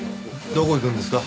どこ行くんですか？